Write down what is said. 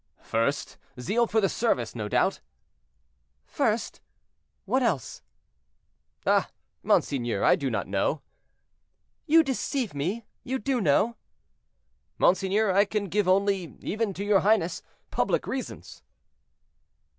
"First, zeal for the service, no doubt." "First!—what else?" "Ah! monseigneur, I do not know." "You deceive me—you do know." "Monseigneur, I can give only, even to your highness, public reasons."